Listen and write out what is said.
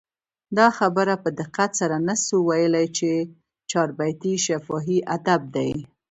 دا خبره په دقت سره نه سو ویلي، چي چاربیتې شفاهي ادب دئ.